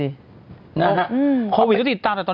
พี่เราหลุดมาไกลแล้วฝรั่งเศส